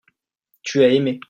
tu as aimé.